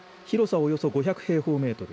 およそ５００平方メートル